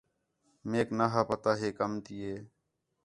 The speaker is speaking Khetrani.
میک نا ہا پتہ ہِے کم تی ہِے